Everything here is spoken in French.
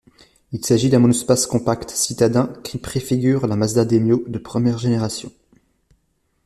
Il s'agit d'un monospace compact citadin qui préfigure la Mazda Demio de première génération.